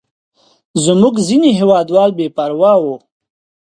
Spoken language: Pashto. زموږ ځینې هېوادوال بې پروا وو.